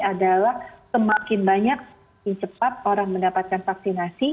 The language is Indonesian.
adalah semakin banyak semakin cepat orang mendapatkan vaksinasi